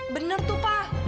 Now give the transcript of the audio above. bener tuh pak